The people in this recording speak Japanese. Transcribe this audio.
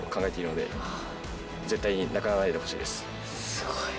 すごい。